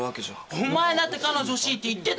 お前だって彼女欲しいって言ってたじゃねえか！